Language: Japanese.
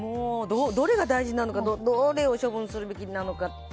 どれが大事なのかどれを処分するべきなのか。